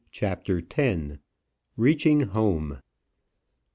CHAPTER X. REACHING HOME.